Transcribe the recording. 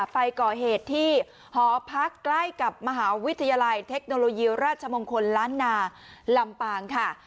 ไปก่อเหตุที่หอพักใกล้กับมหาวิทยาลัยเทคโนโลยีราชมงคลล้านนาลำปางค่ะ